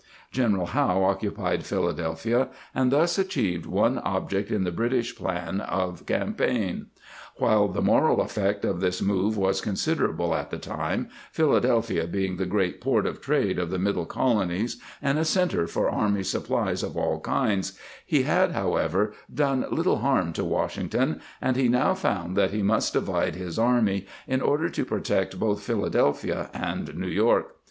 ^ General Howe occupied Philadelphia and thus achieved one object in the British plan of campaign. While the moral effect of this move was considerable at the time, Philadelphia being the great port of trade of the middle colonies, and a centre for army supplies of all kinds, he had, however, done little harm to Washington, and he now found that he must divide his army in order to protect both Philadelphia and New York.